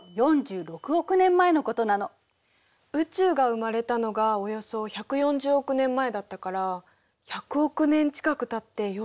宇宙が生まれたのがおよそ１４０億年前だったから１００億年近くたってようやく太陽系ができたのね。